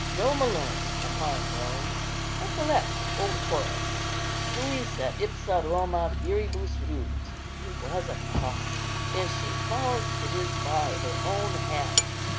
"Rome alone can harm Rome. Recollect old Horace, 'Suis et ipsa Roma viribus ruit.' He was a prophet. If she falls, it is by her own hand."